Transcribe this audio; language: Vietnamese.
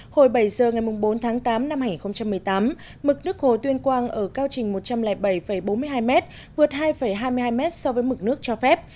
hồi bảy giờ ngày bốn tháng tám năm hai nghìn một mươi tám mực nước hồ tuyên quang ở cao trình một trăm linh bảy bốn mươi hai m vượt hai hai mươi hai m so với mực nước cho phép